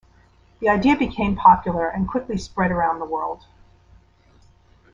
The idea became popular and quickly spread around the world.